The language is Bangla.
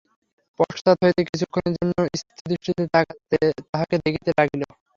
পশ্চাৎ হইতে কিছুক্ষণের জন্য স্থিরদৃষ্টিতে তাহাকে দেখিতে লাগিল।